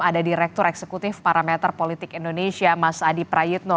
ada direktur eksekutif parameter politik indonesia mas adi prayitno